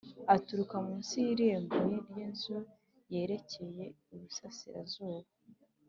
Aturuka munsi y’irembo ry’Inzu ryerekeye iburasirazuba